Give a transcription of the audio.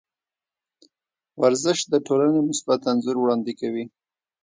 ورزش د ټولنې مثبت انځور وړاندې کوي.